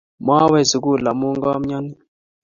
Mawe sukul amu komioni